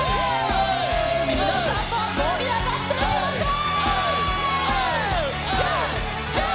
皆さんも盛り上がっていきましょう！